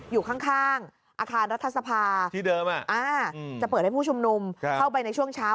อยู่ข้างอาคารรัฐสภาที่เดิมจะเปิดให้ผู้ชุมนุมเข้าไปในช่วงเช้า